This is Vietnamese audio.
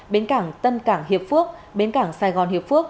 bến cảng tân cảng hiệp phước bến cảng sài gòn hiệp phước